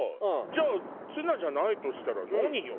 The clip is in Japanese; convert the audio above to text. じゃあツナじゃないとしたら何よ？